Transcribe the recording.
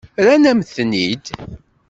Rrant-am-ten-id.